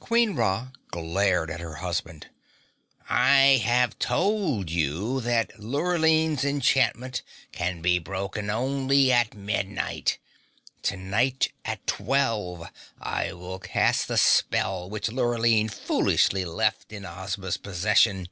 Queen Ra glared at her husband. "I have told you that Lurline's enchantment can be broken only at midnight. Tonight at twelve, I will cast the spell which Lurline foolishly left in Ozma's possession.